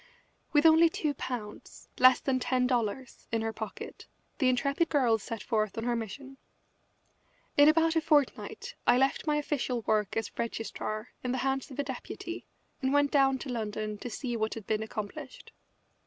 With only two pounds, less than ten dollars, in her pocket the intrepid girl set forth on her mission. In about a fortnight I left my official work as registrar in the hands of a deputy and went down to London to see what had been accomplished.